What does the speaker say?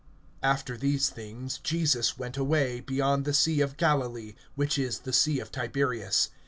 AFTER these things Jesus went away, beyond the sea of Galilee, which is the sea of Tiberias.